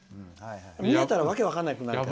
見えたらわけ分からなくなるから。